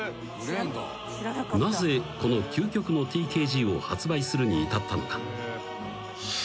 ［なぜこの究極のＴＫＧを発売するに至ったのか？］